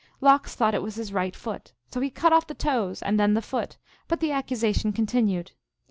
Lox thought it was his right foot. So he cut off the toes, and then the foot, but the accusation continued.